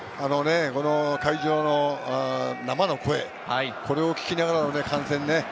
会場の生の声、これを聞きながらの観戦ね。